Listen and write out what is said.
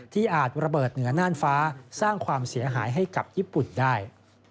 อาจระเบิดเหนือน่านฟ้าสร้างความเสียหายให้กับญี่ปุ่นได้